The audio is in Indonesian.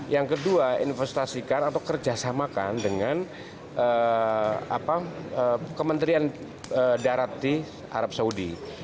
yang kedua investasikan atau kerjasamakan dengan kementerian darat di arab saudi